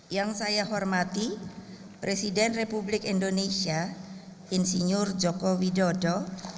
yang saya hormati presiden republik indonesia insinyur joko widodo